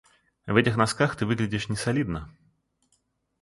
В этих носках ты выглядишь несолидно.